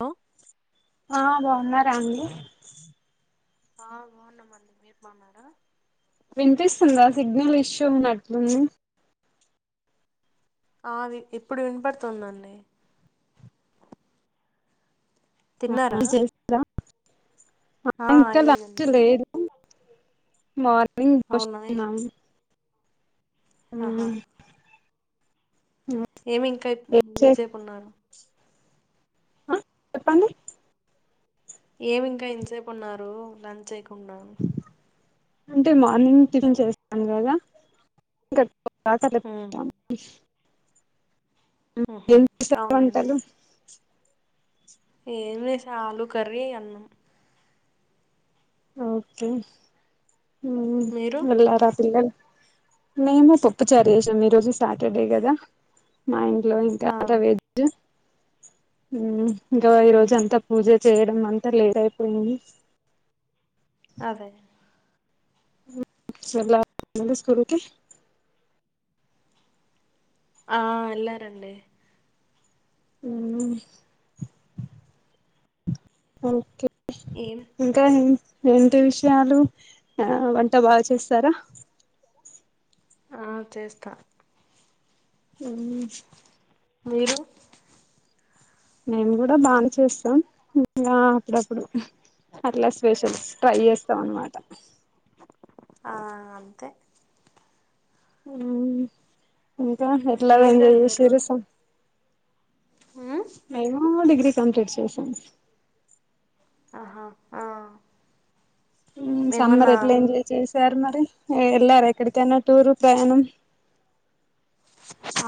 అ ఆ బాగున్నారా అండి ఆ బాగున్నామండి మీరు బాగున్నారా వినిపిస్తుందా సిగ్నల్ ఇష్యూ ఉన్నట్లుంది ఆ వి ఇప్పుడు వినపడుతుందండి తిన్నారా రా ఆ ఇంకా అయిందండి లంచ్ మీది లేదు మార్ అ వున్నది ఆహా ఏమి ఇంకా ఏం ఇన్ చేస్తా సెపున్నారు చెప్పండి ఏం ఇంకా ఇంసేపు ఉన్నారు లంచ్ చేయకుండా అంటే మార్నింగ్ టిఫిన్ చేస్తాను కదా ఉమ్, [unintelligible] ఉహు ఏం చేసారు అవునండి వంటలు ఏం లే షాలు కర్రీ అన్నం ఓకే ఊమ్ మీరు వెళ్ళార పిల్లలు మేము పప్పు చేసాం ఈ రోజు సాటర్డే కదా మా ఇం లో ఇంకా ఆ అట వెజ్ ఉమ్ ఇంకా ఈ ఉమ్, రోజు అంత పూజ చేయడం అంతా లేట్ అయిపోయింది అదే చెల్లా పోయిందా స్కూల్కి ఆ వెల్లారండి ఉ ఓకే ఏం ఇంకా ఎన్ ఏంటి విషయాలు ఆ వంట బా చేస్తారా ఆ చేస్తా ఉ మీరు నేను గూడా బానే చేస్తాం ఉ ఇంగా అప్పుడప్పుడు అట్లా స్పెషల్స్ ట్రై చేస్తాం అన్నమాట ఆ అంతే ఉ ఇంకా ఎట్లా ఏం వెంజాయ్ చదివారు చేసిర్రు సం ఉమ్, నేను డిగ్రీ కంప్లీట్ చేసాను ఆహా ఆ ఉ సమ్మర్ మేమన్నా ఎట్ల ఎంజాయ్ చేశారు మరి ఏ ఎళ్ళార ఎక్కడికైనా టూరూ ప్రయాణం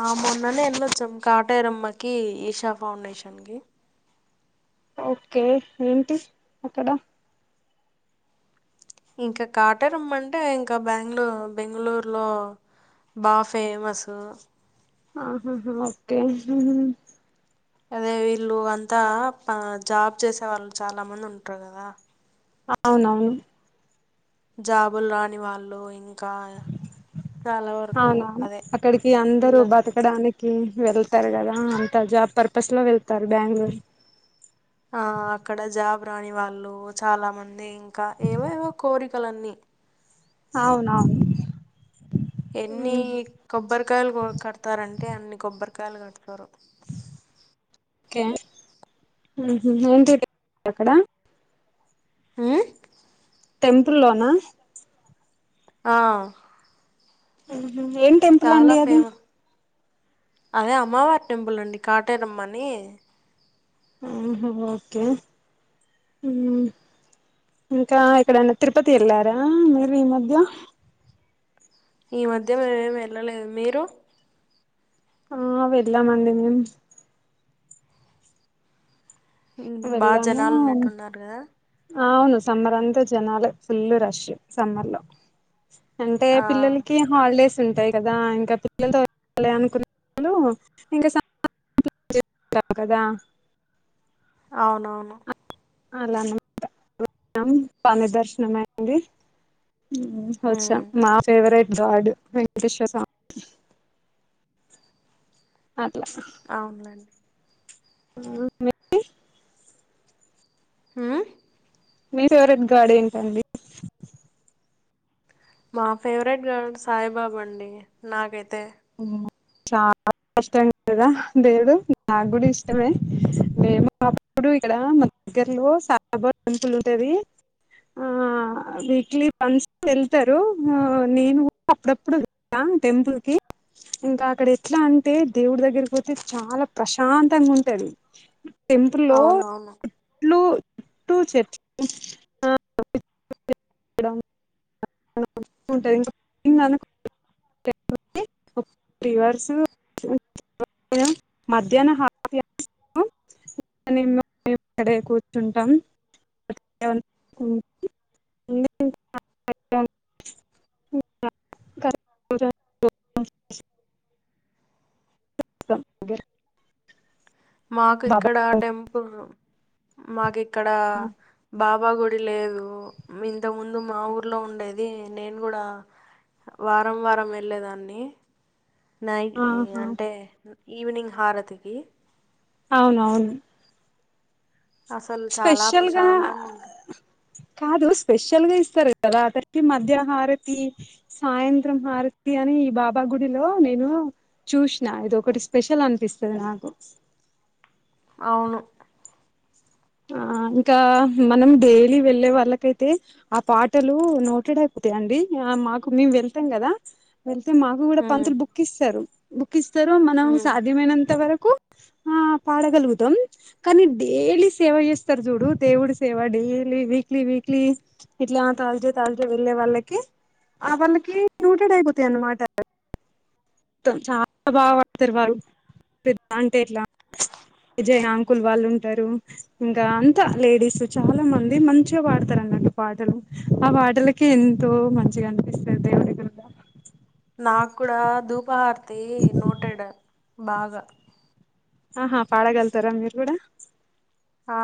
ఆ మొన్ననే ఏళొచ్చాం కాటేరమ్మకి ఈషా ఫౌండేషన్ కి ఓకే ఏంటి అక్కడ ఇంకా కాటేర్ అమ్మ అంటే ఇంకా బ్యాగ్లో బెంగళూర్ లో బా ఫేమసు ఆహాహా ఓకే అదే వీళ్ళు అంతా పా జాబ్ చేసే వాళ్ళు చాలా మంది ఉంటరు కదా అవునవును జాబుల్ రాని వాళ్ళు ఇంకా చాలా వరకు అవునవును అదే అక్కడికి అందరూ పిల్ల బతుక్ ఎక్కడానికి వెళ్తారు కదా అంత జాబ్ పర్పస్లో వెళ్తారు బ్యాంగ్ ళూర్ ఆ అక్కడ జాబ్ రాని వాళ్ళు చాలా మంది ఇంకా ఏవోవో కోరికలన్నీ అవునవు ఎన్ని కొబ్బరికాయలు కో కడతారంటే అన్ని కొబ్బరికాయలు కడతారు కే ఉహు ఏంటి [unintelligible] అక్కడ ఉ టెంపుల్ లోనా ఆ ఉహు ఏన్ చాలా ఫేమ అదే అమ్మవారు టెంపుల్ అండి కాటేరమ్మని ఆహా ఓకే ఉ ఇంకా ఎక్కడైనా తిరుపతి ఏళ్లారా మీరు ఈ మధ్య ఈ మధ్య మేం ఏం ఏళ్ళలేదు మీరు ఆ వెళ్ళామండి మేం ఉ బా వెళ్ళాము జనాలు ఉన్నట్టున్నారు గదా అవును సమ్మర్ అంతా జనాలే ఫుల్ రష్ సమ్మర్ లో అంటే ఆ పిల్లలకి హాలిడేస్ ఉంటాయి కదా ఇంకా పిల్లలతో వెళ్లాలి అనుకునేవాళ్లు ఇంక సమ్మర్ హా [unintelligible] కదా అవునవును అలా అన్నమాట [unintelligible] బానే దర్శనం అయింది ఉ ఒచ్చా హ్మ్ మా ఫేవరెట్ గాడ్ వెంకటేశ్వర స్వామ్ అట్ల అవునులెండి ఆ మి హు మీ ఫేవరెట్ గాడ్ ఏంటండి మా ఫేవరెట్ గాడ్ సాయిబాబా అండి నాకైతే ఉమ్మ్ చాల కష్టం కదా దేవ్డు నాగ్గూడ్ ఇష్టమే మేము అప్ ఇప్పుడు ఇక్కడ మా దగ్గర లో సాయిబాబా టెంపుల్ ఉంటది ఆ వీక్లీ వన్స్ వెళ్తారు ఆ నేను కూడా అప్పుడప్పుడు వెల్ తా టెంపుల్ కి ఇంకా అక్కడ ఎట్లా అంటే దేవుడి దగ్గరి పోతే చాలా ప్రశాంతంగా ఉంటది టెంపుల్లో అవునవును లూ టూ చెప్ [unintelligible] [unintelligible] అనుకో [unintelligible] రీవర్స్ ఊ నేను మధ్యాహ్నన [unintelligible] [unintelligible] ఇక్కడే కూర్చుంటాం [unintelligible] సం మాకు ఇక్కడ టెంపుల్ మాకిక్కడ బాబా గుడి లేదు మింత ముందు మా ఊర్లో ఉండేది నేను గుడా వారం వారం వెళ్ళేదాన్ని నై ఇగంటే ఈవినింగ్ హారతికి అవునవును అసలు చాలా స్పెషల్గా ప్రశాంతంగా ఉంటుంది కాదు స్పెషల్ గా ఇస్తారు కదా అతనికి మధ్యా హారతి సాయంత్రం హారతి అని ఈ బాబా గుడిలో నేను చూసిన ఇది ఒకటి స్పెషల్ అనిపిస్తది నాకు అవును ఆ ఇంకా మనం డైలీ వెళ్ళే వాళ్ళకైతే ఆ పాటలు నోటెడ్ అయిపోతాయండి ఆ మాకు మేము వెళ్తాం కదా వెళ్తే మాకు కూడా ఉమ్, పంతులు బుక్ ఇస్తారు బుక్ ఇస్తారు మనం ఉమ్. సా ధ్యమైనంత వరకు ఆ పాడగలుగుతం కానీ డేలిస్ సేవ చేస్తరు జూడు దేవుడి సేవ డైలీ వీక్లీ వీక్లీ ఇట్లా ఆ తాజడే తాజడే వెళ్ళే వాళ్ళకి ఆ వాళ్ళకి నోటడయిపోతయ్ అనమాట మొత్తం చాలా బాగా పాడతారు వారు పె అంటే ఇట్లా ప్చ్ విజయ అంకుల్ వాళ్ళు ఉంటారు ఇంకా అంతా లేడీస్ చాలా మంది మంచిగా పాడతారు అన్నట్టు పాటలు ఆ మాటలకి ఎంతో మంచిగా అనిపిస్తది దేవుడి గుడిల నాకూడ ధూపార్తె నోటెడ్ బాగా ఆహా పాడగల్తరా మీరు గూడా ఆ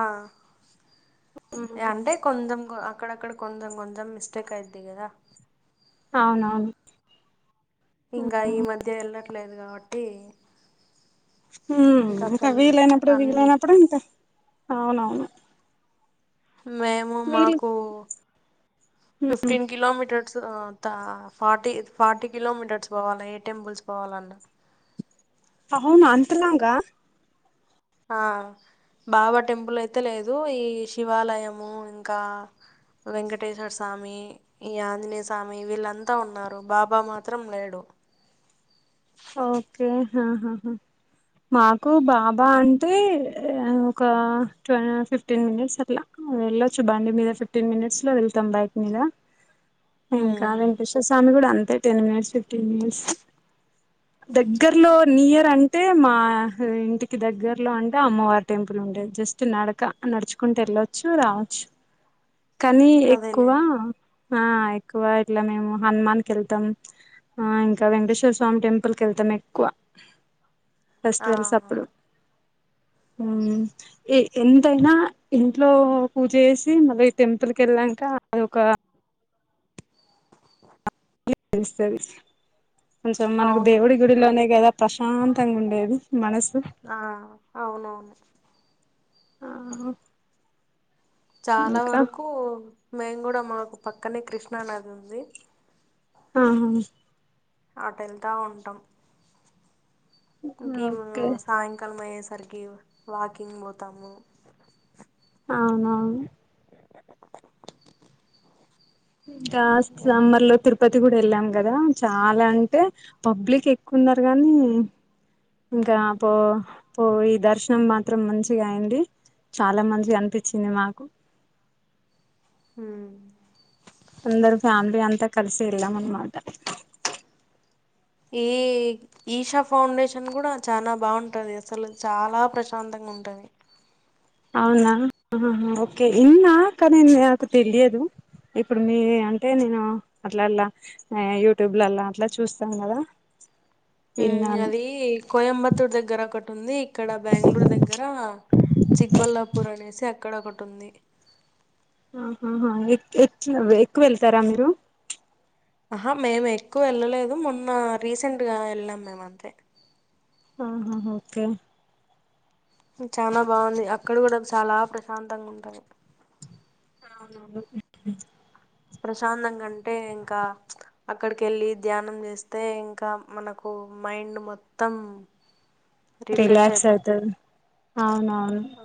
ఇగ అంటే కొందమ్ అక్కడ అక్కడ కొందం కొంజమ్ మిస్టేక్ అయిది గదా అవునవును ఇంగా ఈ మధ్య యెళ్ళట్లేదు గావట్టి. ఇంకా వీలైనప్పుడు అన్ని వీలైనప్పుడు ఇంకా అవునవును. మేము వీళ్ళు మాకు ఫిఫ్టీన్ కిలోమీటర్. సొ తా ఫార్టీ ఫార్టీ కిలోమీటర్స్ బోవాలె ఏ టెంపుల్స్ పోవాలన్నా. అహునా అంతలాంగా. ఆ బాబా టెంపుల్ అయితే లేదు ఈ శివాలయము ఇంకా. వెంకటేశ్వర్ స్వామి. ఈ ఆంజనీ స్వామి వీళ్ళంతా ఉన్నారు బాబా మాత్రం లేడు. ఓకే హ హ హ. మాకు బాబా అంటే ఒక ఫిఫ్టీన్ టూవ్ మినిట్స్ అట్లా. వెళ్ళొచ్చు బాండి మీద ఫిఫ్టీన్ మినిట్స్ లో వెళ్తాం బైక్ మీద. ఇంకా ఉమ్ వెంకటేశ్వర స్వామి కూడా అంతే టెన్ మినిట్స్ ఫిఫ్టీన్ మినిట్స్. దగ్గరలో నియర్ అంటే మా ఇంటికి దగ్గరలో అంటే అమ్మవారి టెంపుల్ ఉండేది జస్ట్. నడక నడుచుకుంటూ వెళ్ళొచ్చు రావచ్చు. కానీ ఎక్కువ. అదేలేండి ఆ ఎక్కువ ఇట్లా మేము హనుమాన్ క వెళ్తాం ఆ ఇంకా వెంకటేశ్వర స్వామి టెంప్. పుల్ కి వెళ్తాం ఎక్కువ ఆ ఫెస్టివల్స్ అప్పుడు. ఏ ఎంతైనా. ఇంట్లో పూజ చేసి మళ్ళీ ఈ టెంపుల్ కి వెళ్ళాక అది ఒక. తెలుస్తది కొంచెం మనకు అవును దేవుడు ఇ. గుడిలోనే కాదా ప్రశాంతంగా ఉండేది మనసు. ఆ అవునవును. ఆ. చాలా ఇంకా వరకు మేం కూడా మాకు పక్కనే కృష్ణా నది ఉంది. ఆహా. అటు వెళ్తా ఉంటాం. ఇంకా మేము ఓకే సాయంకాలం అయ్యేసరికి వాకింగ్ పోతాము. అవునవును. ఇంకా సమ్మర్లో లో తిరు. తిరుపతి కూడా వెళ్ళాం కాదా చాలా అంటే పబ్లిక్ ఎక్కువున్నారు గానీ. ఇంకా పో పోయి దర్శనం మాత్రం మంచిగా అయింది. చాలా మంచిగా అనిపించింది మాకు. ఉమ్‌. అందరు ఫ్యామిలీ అంత కలిసి వెళ్ళాం అన్నమాట. ఏయ్. ఈషా ఫౌండేషన్ కూడా చానా బాగుంటుంది అసలు చాలా ప్రశాంతంగా ఉంటుంది. అవునా ఓకే ఇన్న కాని నాకు తెలియదు. ఇప్పుడు మీ అంటే నేను అట్లా అలా యూట్యూబ్ లోలా అట్లా చూస్తాను కదా. ఉమ్ విన్నాను అది కోయంబత్తూర్ దగ్గర ఒకట్. ఉంది ఇక్కడ బెంగళూరు దగ్గర చిక్బల్లాపూర్ అనేసి అక్కడ ఒకటి ఉంది. ఆహాహా ఎ ఎక్ ఎక్కువ వెళ్తారా మీరు. ఆహా మేము ఎక్కువ వెళ్ళలేదు మొన్న రీసెంట్గా వెళ్ళాం మేము అంతే. ఆహాహఓకే చాలా బాగుంది అక్కడ కూడా చాలా ప్రశాంతంగా ఉంటాది అవునవును ప్రశాంతంగా ఉంటే ఇంకా అక్కడికి వెళ్ళి ధ్యానం చేస్తే ఇంకా మనకు మైండ్ మొత్తం రీఫ్రెష్ రిలాక్స్ అయిపోతాయ్ అవుతది అవునవును ఆ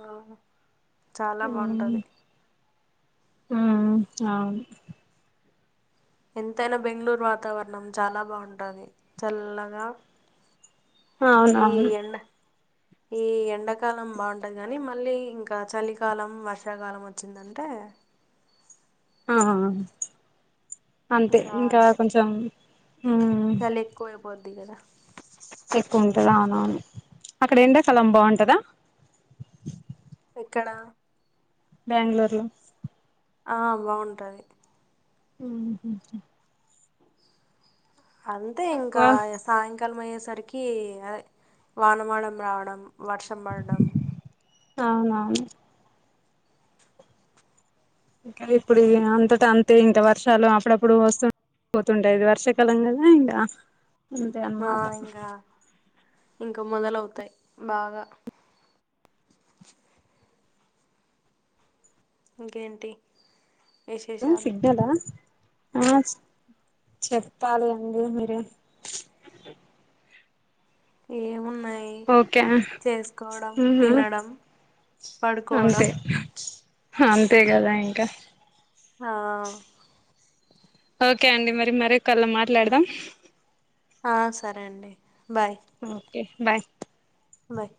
చాలా బాగుంటది ఉ అవును ఎంతైనా బెంగళూరు వాతావరణం చాలా బాగుంటది చల్లగా ఈ అవునవును ఎండ ఈ ఎండాకాలం బాగుంటది కాని మళ్ళీ ఇంకా చలికాలం వర్షాకాలం వచ్చింది అంటే ఆ అంతే ఇంకా కొంచెం ఉమ్ చలి ఎక్కువై పోద్ది కదా ఎక్కువ ఉంటదా అవునవును అక్కడ ఎండాకాలం బాగుంటదా ఎక్కడ బెంగళూరులో ఆ బాగుంటది ఉ హు హు అంతే తక్కువ ఇంకా స్ సాయంకాలం అయ్యేసరికి అదే వాన వాళం రావడం వర్షం పడడం అవునవును ఇంకా ఇప్పుడు అంతట అంతే ఇంకా వర్షాలు అప్పుడప్పుడు వస్తు పోతుండేది వర్షాకాలం కాదా ఇంగా ఆ ఇంగా ఇంకా మొదలవుతాయి బాగా ఇంకేంటి ఆ విశేషాలు సిగ్నలా ఆ చెప్పాలి అండి మీరే ఏమున్నాయి ఓకే చేసుకోవడం ఊహు తినడం పడుకోవడం అంతే హంతేగదా ఇంకా హా ఓకే అండి మరి మరి కాల్లో మాట్లాడదాం ఆ సరే అండి బాయ్ ఓకే బాయ్ బాయ్